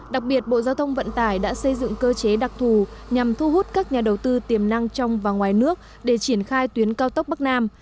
đặc biệt bộ giao thông vận tải đã xây dựng cơ chế đặc thù nhằm thu hút các nhà đầu tư tiềm năng trong và ngoài nước để triển khai tuyến cao tốc bắc nam